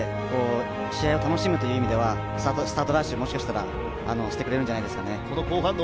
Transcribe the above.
試合を楽しむという意味ではスタートダッシュ、もしかしたらしてくれるんじゃないでしょうか。